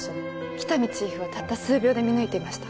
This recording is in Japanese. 喜多見チーフはたった数秒で見抜いていました